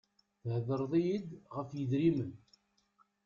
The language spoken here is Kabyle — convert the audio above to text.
Thedreḍ-iy-d ɣef yidrimen.